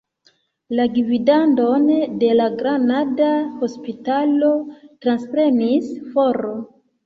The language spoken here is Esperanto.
La gvidadon de la granada hospitalo transprenis Fr.